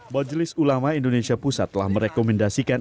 majelis ulama indonesia pusat telah merekomendasikan